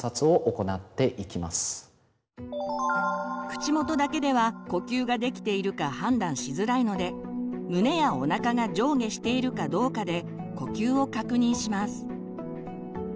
口元だけでは呼吸ができているか判断しづらいので胸やおなかが上下しているかどうかで呼吸を確認します。